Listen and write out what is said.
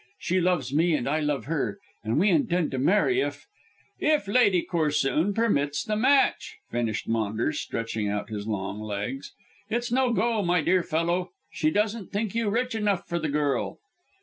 She loves me and I love her, and we intend to marry, if " "If Lady Corsoon permits the match," finished Maunders, stretching out his long legs. "It's no go, my dear fellow. She doesn't think you rich enough for the girl."